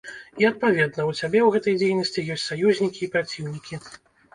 І, адпаведна, у цябе ў гэтай дзейнасці ёсць саюзнікі і праціўнікі.